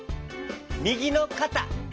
みぎのかた。